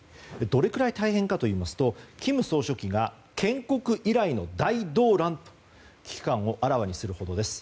どれくらい大変かといいますと金総書記が建国以来の大動乱と危機感をあらわにするほどです。